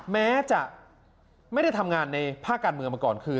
แม้จะไม่ได้ทำงานในภาคการเมืองมาก่อนคือ